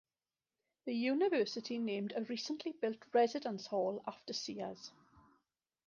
The University named a recently built residence hall after Sears.